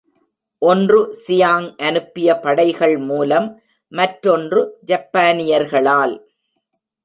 ஒன்று சியாங் அனுப்பிய படைகள் மூலம், மற்றொன்று ஜப்பானியர்களால்.